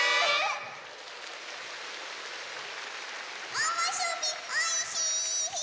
おむすびおいしい！